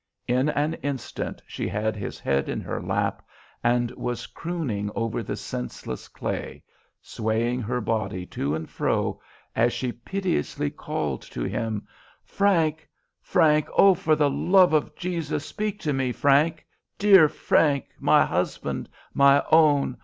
In an instant she had his head in her lap and was crooning over the senseless clay, swaying her body to and fro as she piteously called to him, "Frank, Frank! Oh, for the love of Jesus, speak to me! Frank, dear Frank, my husband, my own!